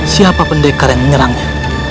siapa pendekar yang menyerangnya